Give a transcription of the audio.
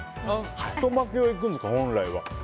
太巻きをいくんですか、本来は。